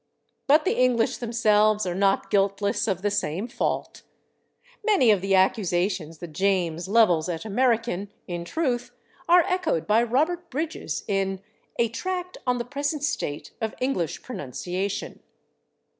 But the English themselves are not guiltless of the same fault. Many of the accusations that James levels at American, in truth, are echoed by Robert Bridges in "A Tract on the Present State of English Pronunciation."